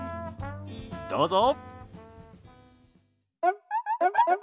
どうぞ。